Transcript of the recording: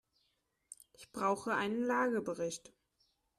Ich brauche einen Lagebericht.